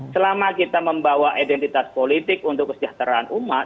selama kita membawa identitas politik untuk kesejahteraan umat